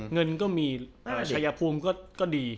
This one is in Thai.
เงินก็มีชัยภูมิก็ดี